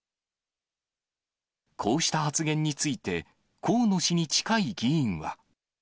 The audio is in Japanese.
こうした発言について、河野氏に近い議員は。